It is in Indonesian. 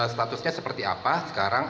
statusnya seperti apa sekarang